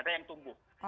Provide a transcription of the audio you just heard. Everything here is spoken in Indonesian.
ada yang tumbuh